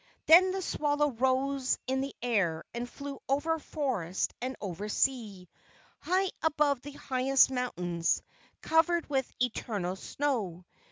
Then the swallow rose in the air, and flew over forest and over sea, high above the highest mountains, covered with eternal snow.